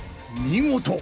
見事！